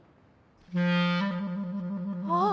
あっ！